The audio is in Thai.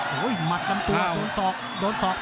โหหมัดลำตัวโดนสอบโดนสอบ